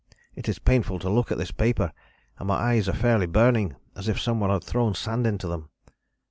It is painful to look at this paper, and my eyes are fairly burning as if some one had thrown sand into them."